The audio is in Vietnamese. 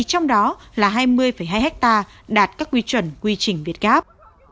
trong đó là hai mươi hai hectare đạt các quy chuẩn quy trình việt gáp